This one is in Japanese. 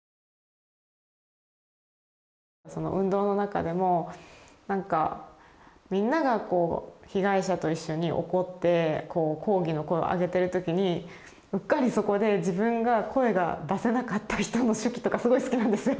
その運動の中でもなんかみんなが被害者と一緒に怒って抗議の声を上げてるときにうっかりそこで自分が声が出せなかった人の手記とかすごい好きなんですよ。